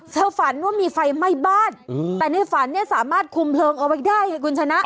เธอฝันว่ามีไฟไหม้บ้านแต่ในฝันสามารถคุมเพลิงออกไปได้คุณชนะ